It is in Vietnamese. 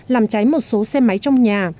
làm cháy một số xe máy trong nhà